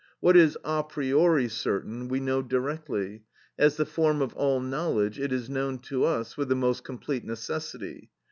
What is a priori certain we know directly; as the form of all knowledge, it is known to us with the most complete necessity.